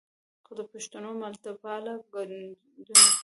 خو د پښتنو ملتپاله ګوندونو